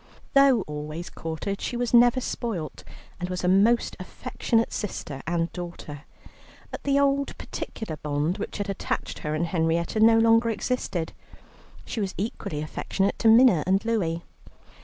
Though always courted she was never spoilt, and was a most affectionate sister and daughter. But the old particular bond which had attached her and Henrietta no longer existed. She was equally affectionate to Minna and Louie.